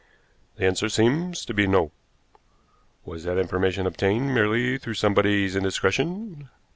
The answer seems to be, no. Was that information obtained merely through somebody's indiscretion?